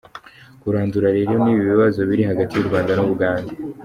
Karundura rero n’ibibazo biri hagati y’Urwanda n’Ubugande.